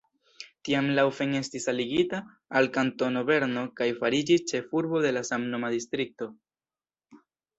Tiam Laufen estis aligita al Kantono Berno kaj fariĝis ĉefurbo de la samnoma distrikto.